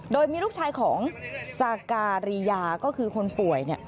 โดยมีลูกชายของสาการียาก็คือคนป่วย